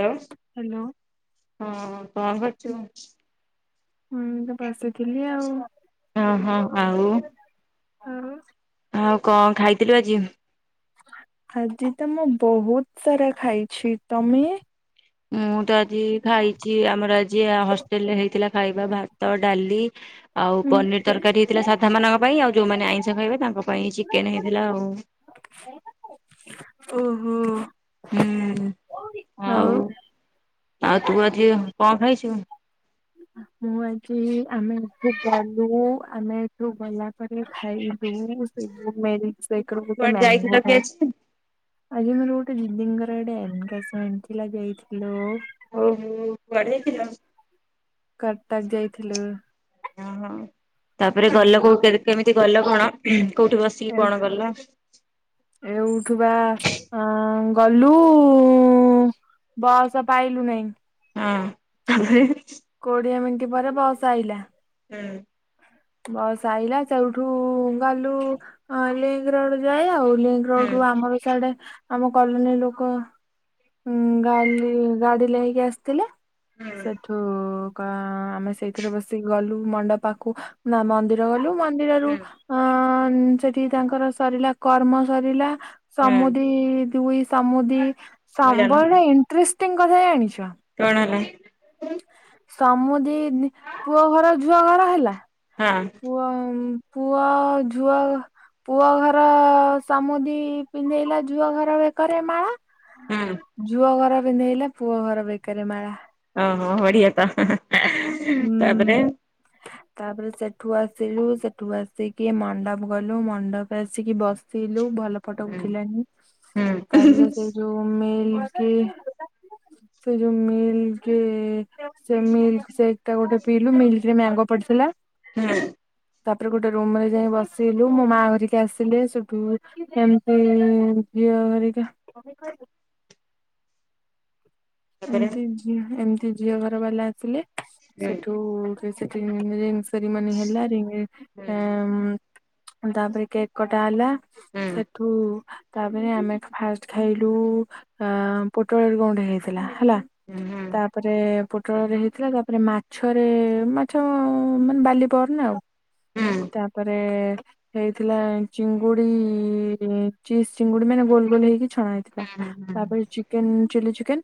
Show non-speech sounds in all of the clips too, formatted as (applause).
Hello ହଁ କଣ କରଛୁ? ମୁଁଁ ତ ବସିଥିଲି ଆଉ। ଅହ ଆଉ? ଆଉ ଆଉ କଣ ଖାଇଥିଲୁ ଆଜି? ଆଜି ତ ମୁଁ ବହୁତ ସାରା ଖାଇଛି ତମେ? ମୁଁ ତ ଆଜି ଖାଇଛି ଆମର ଯିଏ ହଷ୍ଟେଲ ରେ ହେଇଥିଲା ଖାଇବା ଭାତ ଡାଲି। ଆଉ ହୁଁ ପନିର ତରକାରୀ ହେଇଥିଲା ସାଧା ମାନଙ୍କ ପାଇଁ ଆଉ ଯୋଉମାନେ ଆଇଁଷ ଖାଇବେ ତାଙ୍କ ପାଇଁ ଚିକେନ ହେଇଥିଲା ଆଉ। ଓହୋ। ହୁଁ ଆଉ ଆଉ ତୁ ଆଜି କଣ ଖାଇଛୁ? ହୁଁ ମୁଁ ଆଜି ଆମେ ଏଠୁ ଗଲୁ ଆମେ ଏଠୁ ଗଲା ପରେ ଖାଇଲୁ। କୁଆଡେ ଯାଇଥିଲ କି (unintelligible) ଆଜି? ଆଜି ମୋର ଗୋଟେ ଦିଦିଙ୍କର ଗୋଟେ ଏଗେଜମେଣ୍ଟ ଥିଲା ଯାଇଥିଲୁ। ଓହୋ କୁଆଡେ ଯାଇଥିଲ? କଟକ ଯାଇଥିଲୁ। ଓହୋ ତାପରେ ଗଲ ହଁ କୋ କେମିତି ଗଲ କଣ କୋଉଠି ବସିକି କଣ ଗଲ? ଏଉଠୁ ବା ଅ ଗଲୁ। ବସ ପାଇଲୁ ନାହିଁ। ହଁ ତାପରେ? କୋଡିଏ ମିନିଟ୍ ପରେ ବସ ଆଇଲା। ହୁଁ। ବସ୍ ଆଇଲା ସେଉଠୁ ଗଲୁ। ହଁ ଲିଙ୍କ ରୋଡ ଯାଏ ଆଉ ଲିଙ୍କ ହୁଁ ରୋଡ ରୁ ଆମ ବିଆଡେ ଆମ କଲୋନୀ ଲୋକ ଉଁ ଗା ଗାଡି ଲାଗି କି ଆସିଥିଲା। ହୁଁ। ସେଠୁ କ ଆମେ ସେଇଥିରେ ବସିକି ଗଲୁ ମଣ୍ଡ ପାଖକୁ। ନା ମନ୍ଦିର ଗଲୁ ମନ୍ଦିରରୁ ହୁଁ ଅ ସେଠି ତାଙ୍କର ସରିଲା କର୍ମ ସରିଲା। ହୁଁ ସମୁଦି ଦୁଇ ସମୁଦି ମିଳନ ହେଲା ସମ୍ବର ଇଣ୍ଟରେଷ୍ଟିଂ କଥା ଜାଣିଛ? କଣ ହେଲା? ସମୁଦି ପୁଅ ଘର ଝୁଅ ଘର ହେଲା। ହଁ। ପୁଅ ପୁଅ ଝୁଅ। ପୁଅ ଘର ସମାମୁଦି ପିନ୍ଧେଇଲା ଝୁଅ ଘର ବେକରେ ମାଳା। ହଁ ଝୁଅ ଘର ବିନ୍ଧେଇଲା ପୁଅ ଘର ବେକରେ ମାଳା। ଓହୋ ବଢିଆ ତ ତାପରେ? ହୁଁ। ତାପରେ ସେଠୁ ଆସିଲୁ ସେଠୁ ଆସିକି ମଣ୍ଡପ ଗଲୁ ମଣ୍ଡପରେ ଆସିକି ବସିଲୁ ଭଲ। ଫଟୋ ହୁଁ ଉଠିଲାଣିି ହୁଁ ତାପରେ ସେଇ ଯୋଉ ମିଲ୍ କି ସେ ଯୋଉ ମିଲ୍ କେ ସେ ମିଲ୍ ସେ ଏଟା ଗୋଟେ ପିଇଲୁ ମିଲ୍ ରେ ମ୍ୟାଙ୍ଗ ପଡିିଥିଲା। ହୁଁ ତାପରେ ଗୋଟେ ରୁମ ରେ ଯାଇ ବସିଲୁ ମୋ ମା ହରିକା ଆସିଲେ ସେଠୁ ଏମତି ବିିିବା ଘରିକା (unintelligible) ତାପରେ ଏମତିି ଏମିତି ଝିଅ ଘର ବାଲା ଆସିଲେ ହୁଁ ସେଠୁ ସେ ହି ସରି ମନ ହେଲାର ହି ହୁଁ ଆ (unintelligible) ତାପରେ କେକ୍ କଟା ହେଲା ସେଠୁ ତାପରେ ଆମେ ଫାଷ୍ଟ ଖାଇଲୁ ପୋଟଳରେ କଣ ଗୋଟେ ହେଇଥିଲା ହେଲା ହୁଁ ହୁଁ ହୁଁ ତାପ ତାପରେ ପୋଟଳରେ ହେଇଥିଲା ତାପରେ ମାଛରେ ମାଛ ମାନେ ବାଲି ପନା ଆଉ। ହୁଁ ହୁଁ ତାପରେ ହେଇଥିଲା ଚିଙ୍ଗୁଡି ଚିଜ ଚିଙ୍ଗୁଡି ମାନେ ଗୋଲ ଗୋଲ ହେଇକି ଛଣା ତାପରେ ଚିକେନ ଚିଲି ଚିକେନ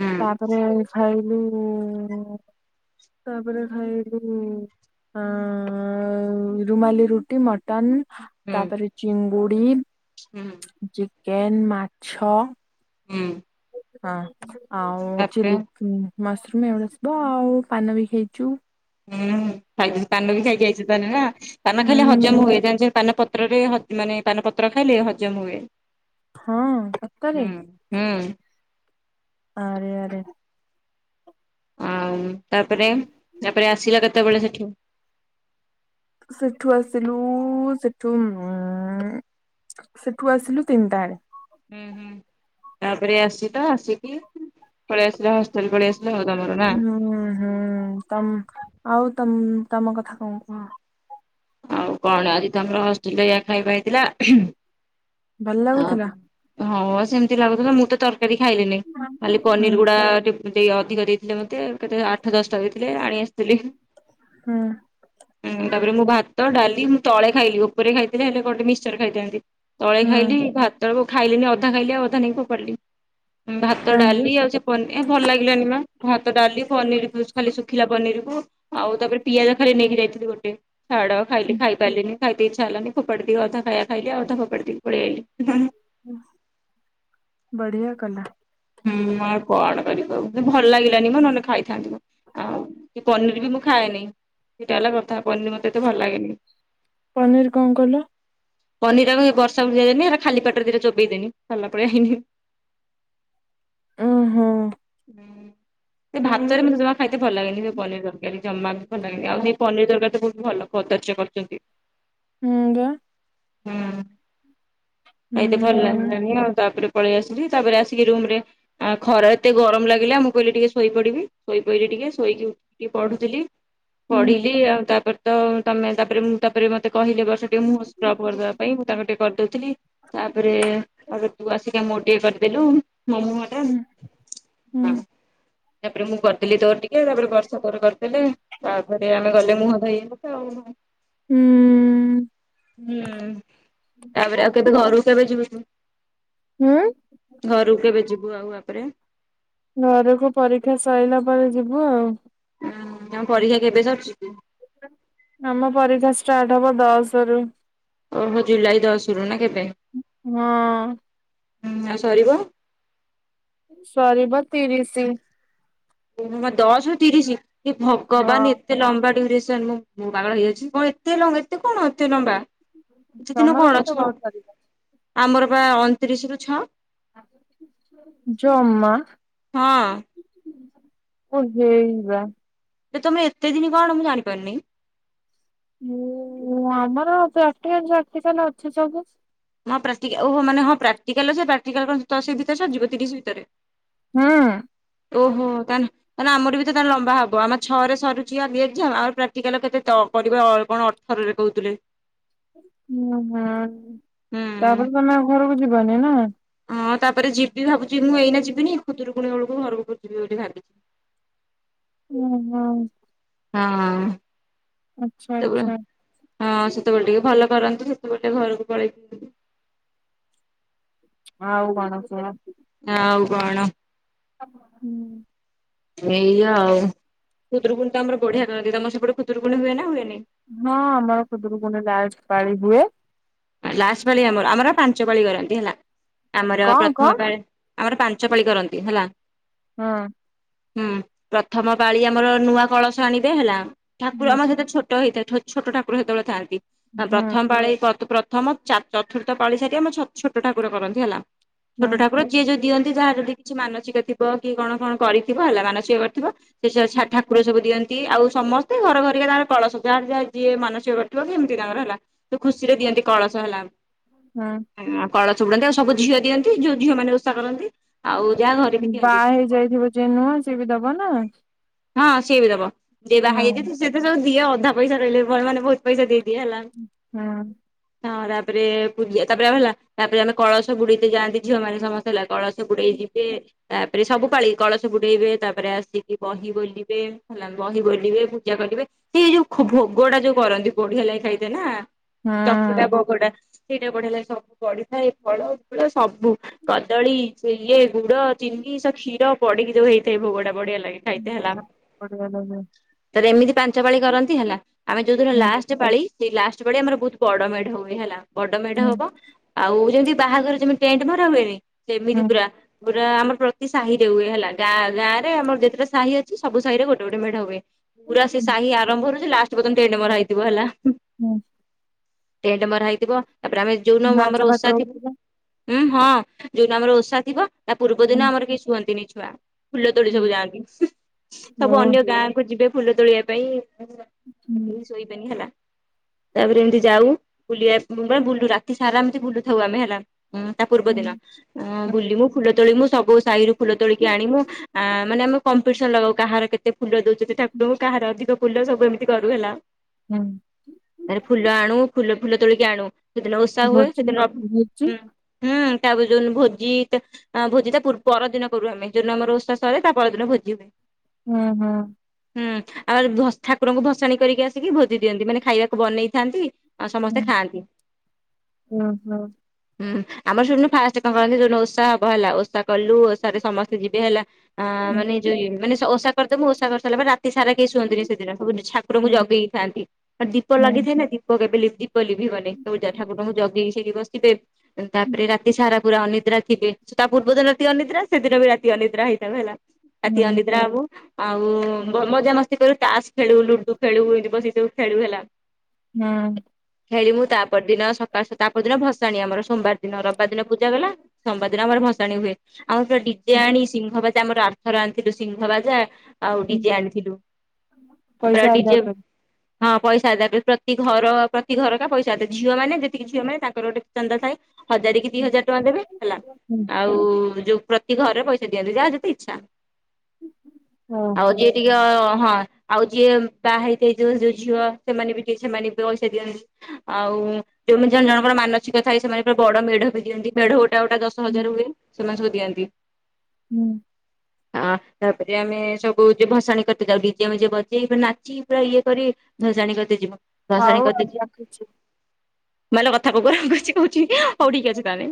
ହୁଁ ତାପରେ ଖାଇଲୁ ହୁ ତାପରେ ଖାଇସବୁ ଅ ରୁମାଲି ରୁଟି ମଟନ ହୁଁ ତାପରେ ଚିଙ୍ଗୁଡି ହୁଁ ଚିକେନ ମାଛ ହୁଁ ହଁ ଆଉ ତାପରେ ଚିଲି ମସରୁମ୍ ଏଗୁଡା ଥିବ ସବୁ ଆଉ ପାନ ବି ଖାଇଛୁ। ହୁଁ ଖାଇ ପାନ ବି ଖାଇକି ଆଇଛି ତାନେ ନା ପାନ ଖାଲି ହୁଁ ହଜମ ହୁଏ ପାନ ପତ୍ ପତ୍ରରେ ମାନେ ପାନ ପତ୍ର ଖାଇଲେ ହଜମ ହୁଏ ହଁ ସତରେ ହୁଁ ହୁଁ ଆରେ ଆରେ ଆଉ ତାପରେ ତାପରେ ଆସିଲ କେତେବେଳେ ସେଠୁ ସେଠୁ ଆସିଲୁ ସେଠୁ ଉମ ସେଠୁ ଆସିଲୁ ତିନିଟା ଆରେ ହୁଁ ହୁଁ ତାପରେ ଆସି ତ ଆସିକି ପଳାଇ ଆସିଲା ହସ୍ ହୁଁ ହୁଁ ତମ ଆଉ ତମ ତମ କଥା କଣ କୁହ? ଆଉ କଣ ଆଜି ତମର ହଷ୍ଟେଲ ଏଇଆ ଖାଇବା ହେଇଥିଲା ଭଲ ଲାଗୁଥିଲା ହୁଁମ ହଁ ସେମତି ଲାଗୁଥିଲା ମୁଁ ତ ତରକାରୀ ଖାଇଲିନି ଖାଲି ହୁଁ ପନିର ଗୁଡା ଟିକ ଦେଇ ଅଧିକ ଦେଇଥିଲେ ମତେ କେତେ ଆଠ ଦଶଟା ଦେଇଥିଲେ ଆଣି ଆସିଥିଲି। ହୁଁ ହୁଁ ତାପରେ ମୁଁ ଭାତ ଡାଲି ମୁଁ ତଳେ ଖାଇଲି ଉପରେ ଖାଇଥିଲେ ହେଲେ ଗୋଟେ ମିକ୍ସଚର ଖାଇଥାନ୍ତି। ତଳେ ହୁଁ ଖାଇଲି ଭାତକୁ ଖାଇଲିନି ଅଧା ଖାଇଲି ଆଉ ଅଧା ନେଇକି ଫୋପାଡ଼ିଲି ଭାତ କାଇଁ ଯେ ଡାଲି ଆଉ ସେଇ ପନିର ଭଲ ଲାଗିଲାନି ମା ଭାତ ଡାଲି ପନିର ଖାଲି ଶୁଖିଲା ପନିରକୁ ଆଉ ତାପରେ ପିଆଜ ଖାଲି ନେଇକି ଯାଇଥିଲି ଗୋଟେ ଛାଡ଼। ଖାଇଲି ହୁଁ, ଖାଇ ପାରିଲିନି ଖାଇତେ ଇଛା ହେଲାନି ଫୋପାଡି ଦେଇ ଅଧା ଖାଇବା ଖାଇଲି ଆଉ ଅଧା ଫୋପାଡି ଦେଇ ପଲେଇଆଇଲି। ବଢିଆ କଲା ହୁଁ ମୁଁ ଆଉ କଣ କରିବି ଆଉ ମତେ ଭଲ ଲାଗିଲାନି ମତେ ନହେଲେ ଖାଇଥାନ୍ତି। ଆଉ କି ପନିର ବି ମୁଁ ଖାଏନି ସେଇଟା ହେଲା କଥା ପନିର ମତେ ଏତେ ଭଲ ଲାଗେନି। ପନିର କଣ କଲ? ପନିର ଆଉ ବର୍ଷା ଦେଇଦେନି ଏ ଖାଲି ପେଟରେ ଚୋବେଇ ଦେଲି ପଲେଇଆଇଲି ଓହୋ ହୁଁ ସେ ଭାତରେ ମତେ ଜମା ଖାଇତେ ଭଲ ଲାଗେନି ଯୋଉ ପନିର ତରକାରୀ ଜମାରୁ। ଭଲ ଲାଗେନି ଆଉ ସେଇ ପନିର ତରକାର ତ ବହୁତ ଭଲ କଦଜ୍ୟ କରୁଛନ୍ତି। ହୁଁ ବା। ହୁଁ (unintelligible) ହୁଁ ଆଉ ତାପରେ ପଳେଇ ଆସିଲି ତାପରେ ଆସିକି ରୁମ ରେ ଖରା ଏତେ ଗରମ ଲାଗିଲା ମୁଁ କହିଲି ଟିକେ ଶୋଇ ପଡିବି ଶୋଇ ପଇଲି ଟିକେ ଶୋଇକି ଉଠିକି ପଢୁଥିଲି। ହୁଁ। ପଢିଲି ଆଉ ତାପରେ ତ ତମେ ତାପରେ ମୁଁ ତାପରେ ମତେ କହିଲେ ବର୍ଷା ଟିକେ ମୁହଁ ସ୍କ୍ରବ୍ କରିଦବା ପାଇଁ ମୁଁ ତାଙ୍କୁ ଟିକେ କରିଦଉଥିଲି। ତାପରେ ଆ ତୁ ଆସିକା ମୋ ଟିକେ କରିଦେଲୁ ମୋ ମୁହଁ ଟା। ହୁଁ। ହୁଁ ହୁଁ ହଁ ତାପରେ ମୁଁ କରିଦେଲି ତୋର ଟିକେ ତାପରେ ବର୍ଷା ତୋର କରିଦେଲେ। ତାପରେ ଆମେ ଗଲେ ମୁହଁ ଧୋଇବାକୁ ତ ଆଉ। ହୁଁ। ହୁଁ ତାପରେ ଆଉ କେବେ ଘରକୁ କେବେ ଯିବୁ ତୁ? ହୁଁ? ଘରୁକୁ କେବେ ଯିବୁ ଆଉ ଆପରେ? ଘରକୁ ପରୀକ୍ଷା ସରିଲା ପରେ ଯିବୁ ଆଉ। ଉଁ ତମ ପରୀକ୍ଷା କେବେ ସରୁଚି କି? ଆମ ପରୀକ୍ଷା ଷ୍ଟାର୍ଟ ହବ ଦଶ ରୁ। ଓହୋ ଜୁଲାଇ ଦଶ ରୁ ନା କେବେ? ହଁ ଆଉ ସରିବ? ସରିବ ତିରିଶି। ଏମା ଦଶରୁ ତିରିଶି ଏ ହଁ। ଭଗବାନେ ଏ ଏତେ ଲମ୍ବା ଡ୍ୟୁରେସନ ମୁ ମୁଁ ପାଗଳ ହେଇ ଯାଉଚି। ସେ ଦିନ ତମର କଣ ଛଅ କେତେବେଳେ ସରିବ ଆମର ପା ଅଣତିରିଶ ରୁ ଛଅ। ଜମା। ହଁ ଓ ହେଇ ବା। ଯେ ତମେ ଏତେ ଦିନି କଣ ମୁଁ ଜାଣିପାରୁନେଇଁ। ମୁଁ ଆମର ପ୍ରାକ୍ଟିକାଲ ଫ୍ରାକ୍ଟିକାଲ ଅଛି ସବୁ। ହଁ ପ୍ରାକ୍ଟିକା ଓହୋ ମାନେ ହଁ ପ୍ରାକ୍ଟିକାଲ ଯେ ପ୍ରାକ୍ଟିକାଲ କଣ ଦଶ ଭିତରେ ସରିିବ ତିରିଶ ଭିତରେ? ହୁଁ। ଓହୋ ତାନ ମାନେ ଆମର ବି ତ ତାଲେ ଲମ୍ବା ହବ ଆମ ଛ ରେ ସରୁଛି ଆଜି ଏକ୍ଜାମ ଆମର ପ୍ରାକ୍ଟିକାଲ କେତେ ତ କରିବେ ଅ କଣ ଥରରେ କହୁଥିଲେ। ଉଁ ହୁଁ ହୁଁ ତାପରେ ତମେ ଆଉ ଘରକୁ ଯିବନି ନା। ହଁ ତାପରେ ଯିବି ଭାବୁଚି ମୁଁ ଏଇନା ଯିବିନି ଖୁଦୁରରୁକୁୁଣି ବେଳକୁ ଘରକୁ ଖୋଜିବି ବୋଲି ଭାବିଚି। ଓ ହୋ। ହଁ। ଆଚ୍ଛା ସେତେବେଳେ ଆଚ୍ଛା। ହଁ ସେତେବେଳେ ଟିକେ ଭଲ କରନ୍ତୁ ସେତେବେଳେ ଟେ ଘରକୁ ପଳେଇ ଥିବି। ଆଉ କଣ କୁହ। ଆଉ କଣ? ହୁଁ। ଏଇଆ ଆଉ ଖୁଦୁରୁକୁୁଣି ତ ଆମର ବଢି଼ଆ କରନ୍ତି। ତମର ସେପଟେ ଖୁଦୁରୁକୁୁଣି ହୁଏ ନା ହୁଏନି? ହଁ ଆମର ଖୁଦରୁକୁଣ ଲାଷ୍ଟ୍ ପାଳି ହୁଏ। ଲାଷ୍ଟ୍ ପାଳି ଆମର ଆମର ପାଞ୍ଚ ପାଳି କରନ୍ତି ହେଲା ଆମର କଣ ପ୍ରଥମ କଣ? ପାଳି ଆମର ପାଞ୍ଚ ପାଳି କରନ୍ତି ହେଲା। ହଁ। ହୁଁ ପ୍ରଥମ ପାଳି ଆମର ନୂଆ କଳସ ଆଣିବେ ହେଲା ଠାକୁର ହୁଁ ଆମର ସେତେ ଛୋଟ ଟ ହେଇଥାଏ ଛୋଟ ଠାକୁର ସେତେବେଳେ ଥାନ୍ତି ହୁଁ ପ୍ରଥମ ପାଳି ବ୍ର ପ୍ରଥମ ଚା ଚତୁର୍ଥ ପାଳି ସାରି ଆମ ଛୋଟ ଠାକୁର କରନ୍ତି ହେଲା ହୁଁ ଛୋଟ ଠାକୁର ଯିଏ ଯୋଉ ଦିଅନ୍ତି ଯାହାର କିଛି ମାନସିକ ଥିବ କି କଣ କଣ କରିଥିବ ହେଲା ମାନସିକ କରିଥିବ। ସେ ଠାକୁର ସବୁ ଦିଅନ୍ତି। ଆଉ ସମସ୍ତେ ଘର ଘରିକା ତାର କଳସ ଯାହାର ଯା ଯିଏ ମାନସିକ କରିଥିବ ସେମିତି ତାଙ୍କର ହେଲା। ତୁ ଖୁସିରେ ଦିଅନ୍ତି କଳସ ହେଲା। ହଁ। କଳସ ବୁଡ଼ାନ୍ତି ଆଉ ସବୁ ଝିଅ ଦିଅନ୍ତି ଯୋଉଝିଅ ମାନେ ଓଷା କରନ୍ତି। ଆଉ ଯାହା ଘରେ ବି ଦିଅନ୍ତି। ବାହା ହେଇ ଯାଇଥିବ ଯିଏ ନୁଆ ସିଏ ବି ଦବ ନା? ହଁ ସିଏ ବି ଦବ ଯିଏ ବା ହେଇଯାଇଛି ହୁଁ ତ ସେତ ସବୁ ଦିଅ ଅଧା ପଇସା ରହିଲେ ଭଲ ମାନେ ବହୁ ପଇସା ଦେଇଦିଏ ହେଲା। ହୁଁ। ହଁ ତାପରେ ପୂଜା ତାପରେ ଆଉ ହେଲା ତାପରେ ଆମେ କଳସ ବୁଡିତେ ଯାଆନ୍ତି ଝିଅ ମାନେ ସମସ୍ତେ ହେଲା କଳସ ବୁଡେଇ ଯିବେ ତାପରେ ସବୁ ପାଳି କଳସ ବୁଡେଇବେ ତାପରେ ଆସିକି ବହି ବୋଲିବେ। ବହି ବୋଲିବେ ପୂଜା କରିବେ ସେଇ ଯୋଉ ଭୋଗ ଟା ଯୋଉ କରନ୍ତି ବଢି଼ଆ ଲାଗେ ଖାଇତେ ନା ଚକୁଡା ଭୋଗଟା ସେଇଟା ବଢେଇଲା ସବୁ ପଡ଼ିଥାଏ ଫଳ ସବୁ କଦଳୀ ସେ ଇଏ ଗୁଡ ଚିନି ସ କ୍ଷୀର ପଡିକି ଯୋଉ ହେଇଥାଏ, ଭୋଗଟା ବଢିଆ ଲାଗେ। ସେ ହେଲା ବଢିଆ ଲାଗେ ତାପରେ ଏମିତି ପାଞ୍ଚ ପାଳି କରନ୍ତି ହେଲା। ଆମେ ଯୋଉଦିନ ହୁଁ। ଲାଷ୍ଟ ପାଳି ସେଇ ଲାଷ୍ଟ ପାଳି ଆମର ବହୁତ ବଡ ମେଢ ହୁଏ ହେଲା। ବଡ ମେଢ ହୁଁ ହବ, ଆଉ ଯେମିତି ବାହାଘର ଯେମତି ଟେଣ୍ଟ ମରା ହୁଏନି ସେମିତି ପୁରା ପୁରା ଆମର ପ୍ରତି ସାହି ରେ ହୁଏ ହେଲା, ଗାଁ ଗାଁରେ ଆମର ଯେତେଟା ସାହି ଅଛି ସବୁ ସାହିରେ ଗୋଟେ ଗୋଟେ ମେଢ ହୁଏ। ପୁରା ସେ ହୁଁ ସାହି ଆରମ୍ଭ ରୁ ଯେ ଲାଷ୍ଟ ପର୍ଯ୍ୟନ୍ତ ଟେଣ୍ଡ୍ ମରା ହେଇଥିବ ହେଲା। ହୁଁ ଟେଣ୍ଟ୍ ମରା ହେଇଥିବ ତାପରେ ଆମେ ଯୋଉଦିନ ନାଚ ଆମର ଫାଚ ଓଷା ଥିବ। ହଉଥିଲା ଉଁ ହଁ ଯୋଉଦିନ ଆମର ଓଷା ଥିବ, ତା ପୂର୍ବ ହୁଁ। ଦିନ ଆମର କେହି ଶୁଅନ୍ତିନି ଛୁଆ। ଫୁଲ ତୋଳି ସବୁ ଯାଆନ୍ତି, ଓ ସବୁ ଅନ୍ୟ ହୁଁ ଗାଁ କୁ ଯିବେ ଫୁଲ ତୋଳିବା ହୁଁ ପାଇଁ। ଶୋଇବେନି ହେଲା। ତାପରେ ଏମିତି ଯାଉ ବୁଲିବା ପା ଆ ବୁଲୁ ରାତି ସାରା ଏମିତି ବୁଲୁଥାଉ ଆମେ ହେଲା? ହଁ ତା ପୂର୍ବ ହୁଁ ଦିନ ବୁଲିମୁ ଫୁଲ ତୋଳିମୁ ସବୁ ସାହିରୁ ଫୁଲ ତୋଳିକି ଆଣିମୁ ମାନେ ଆମେ କମ୍ପିଟିସନ ଲଗାଉ, କାହାର କେତେ ଫୁଲ ଦଉଛନ୍ତି ଠାକୁରଙ୍କୁ କାହାର ଅଧିକ ଫୁଲ ସବୁ ଏମିତି କରୁ ହେଲା, ହୁଁ ତାରେ ଫୁଲ ଆଣୁ ଫୁଲ ଫୁଲ ତୋଳିକି ଆଣୁ। ସେଦିନ ଓଷା ହୁଏ ଭୋଜି ସେଦିନ ଭୋଜି ହୁଁ ହୁ ତାପରେ ଯୋଉଦିନ ଭୋଜି ଟା ଅ ଭୋଜି ତା ପୁ ପରଦିନ କରୁ ଆମେ, ଯୋଉ ଦିନ ଆମର ଓଷା ସରେ ତା ପରଦିନ ଭୋଜି ହୁଏ। ହୁଁ ହୁଁ। ହୁଁ ଆମର ଭସ୍ ଠାକୁରଙ୍କୁ ଭସାଣି କରିକି ଆସିକି ଭୋଜି ଦିଅନ୍ତି, ମାନେ ଖାଇବାକୁ ବନେଇଥାନ୍ତି ଆଉ ସମସ୍ତେ ହୁଁ ଖାଆନ୍ତି। ଓହୋ ହୁଁ ଆମର ଶୁଣୁନୁ ଫାଷ୍ଟ କଣ କରନ୍ତି ଯୋଉ ଦିନ ଓଷା ହବ ହେଲା, ଓଷା କଲୁ ଓଷାରେ ସମସ୍ତେ ଯିବେ ହେଲା। ଆ ହୁଁ ମାନେ ଯୋ ଇଏ ମାନେ ଓଷା କରିଦମୁ ଓଷା କରିସାରିଲା ପରେ ରା ରାତି ସାରା କେହି ଶୁଅନ୍ତିିନି ସେଦିନ ସବୁ ଠାକୁରଙ୍କୁ ଜଗିକି ଥାଆନ୍ତି, ଆଉ ଦୀପ ହୁଁ ହୁଁ। ଲାଗିଥାଏ ନା ଦୀପ କେବେ ଲିଭି ଦୀପ ଲିଭିବନି, ସବୁ ଜ ମାନେ ଠାକୁରଙ୍କୁ ହୁଁ ଜଗିକି ସେଇଠି ବସିଥିବେ ତାପରେ ରାତି ସାରା ପୁରା ଅନିଦ୍ରା ଥିବେ, ତା ପୂର୍ବ ଦିନ ରାତି ଅନିଦ୍ରା ସେଦିନ ବି ରାତି ଅନିଦ୍ରା ହେଇଥାଉ ହେଲା। ରାତି ଅନିଦ୍ରା ହବୁ। ଆଉ ଭ ମଜାମସ୍ତି କରୁ ତାସ୍ ଖେଳୁ ଲୁଡୁ ଖେଳୁ ଏମିତି ବସିକି ସବୁ ଖେଳୁ ହେଲା। ହୁଁ। ଖେଳିମୁୁ ତାପର ଦିନ ସକାଳ ତାପର ଦିନ ଭସାଣି ଆମର, ସୋମବାର ଦିନ ରବିବାର ଦିନ ପୂଜା ଗଲା। ସୋମବାର ଦିନ ଆମର ଭସ୍ ସାଣି ହୁଏ। ଆମର ପୁରା ଡିଜେ ଆଣି ସିଂହବାଜା ଆମର ଆର୍ଥର ଆଣିଥିଲୁ ସିଂହବାଜା। ଆଉ ହୁଁ ଡିଜେ ଆଣିଥିଲୁ, ଆ ପୁରା ପଇସା ଆଦାୟ ଡିଜେ କରି ହଁ ପଇସା ଦେବେ ପ୍ରତି ଘର ପ୍ରତି ଘର କା ପଇସା ଦେବେ ଝିଅ ମାନେ ଯେତିକି ଝିଅ ମାନେ ତାଙ୍କର ଗୋଟେ ଚାନ୍ଦା ଥାଏ ହଜାରେ କି ଦି ହଜାରେ ଟଙ୍କା ଦେବେ ହେଲା ଆ ଆଉ ଯୋଉ ପ୍ରତି ଘରେ ପଇସା ଦିଅନ୍ତି ଯାହାର ଯେତେ ଇଚ୍ଛା। ଆଉ ଓହୋ। ଯିିଏ ବି ଝିଅ ହଁ ଆଉ ଯିଏ ବାହା ହେଇଯାଇଥିଵ ଯୋଉ ଝିଅ ସେମାନେ ବି ଟିକେ ସେମାନେ ପଇସା ଦିଅନ୍ତି। ଆଉ ଯୋଉ ମ ଜଣ ଜଣଙ୍କର ମାନସିକ ଥାଏ ସେମାନେ ପୁରା ବଡ ମେଢ ବି ଦିଅନ୍ତି। ମେଢ ଗୋଟା ଗୋଟା ଦଶ ହଜାର ହୁଏ ସେମାନେ ସବୁ ଦିଅନ୍ତି। ହୁଁ। ଆ ତାପରେ ଆମେ ସବୁ ଯେ ଭସାଣି କରିତେ ଯାଉ ଡିଜେ ମିଜେ ବଜେଇ ନାଚି ପୁରା ଇଏ କରି ଭସାଣି କରୀତେ ଯିବ। ଆଉ ଭସାଣି କରିତେ ଆଉ ଯାଉ। ରଖୁଛି। (inaudible) ହଉ ଠିକ୍ ଅଛି ତାହେଲେ।